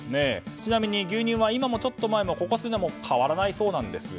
ちなみに牛乳は今もちょっと前も、ここ数年は変わらないそうなんです。